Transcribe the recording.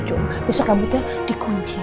jom besok rambutnya dikunci